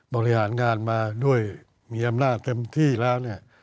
บริหารงานมาด้วยมีอำนาจเต็มที่แล้วเนี่ย